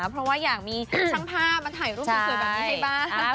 เพราะว่าอยากมีช่างภาพมาถ่ายรูปสวยแบบนี้ให้บ้าง